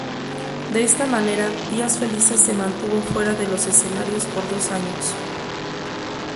De esta manera, Días Felices se mantuvo fuera de los escenarios por dos años.